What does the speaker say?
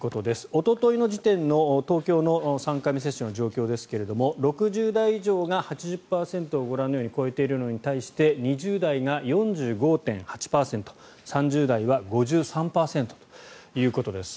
おとといの時点の東京の３回目接種の状況ですが６０代以上が８０％をご覧のように超えているのに対して２０代が４５．８％３０代は５３％ということです。